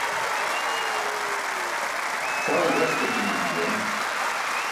Sawe gaśk atimanum juwan.